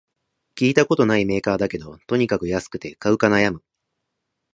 聞いたことないメーカーだけど、とにかく安くて買うか悩む